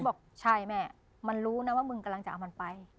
บอกใช่แม่มันรู้นะว่ามึงกำลังจะเอามันไป